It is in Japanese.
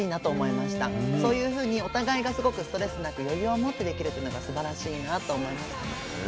そういうふうにお互いがすごくストレスなく余裕を持ってできるっていうのがすばらしいなと思いました。